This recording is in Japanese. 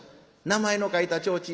名前の書いた提灯。